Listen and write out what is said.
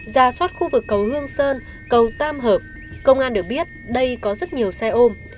ra soát khu vực cầu hương sơn cầu tam hợp công an được biết đây có rất nhiều xe ôm